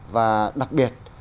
và đặc biệt